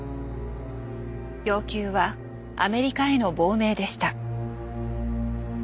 要求はアメリカへの亡命でした。